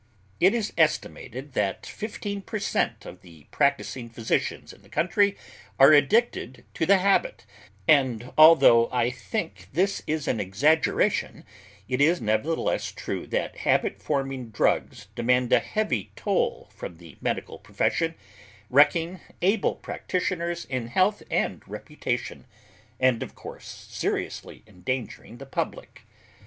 It is estimated that fifteen per cent, of the practising physicians in the country are addicted to the habit, and although I think this is an exaggeration, it is nevertheless true that habit forming drugs demand a heavy toll from the medical profession, wrecking able practitioners in health and reputation, and of course seriously endangering the public.